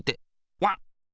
ワン。